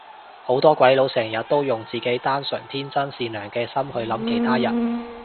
好多鬼佬成日都用自己單純天真善良嘅心去諗其他人